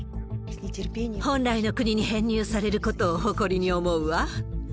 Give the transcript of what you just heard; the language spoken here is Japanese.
本来の国に編入されることを誇りに思うわ。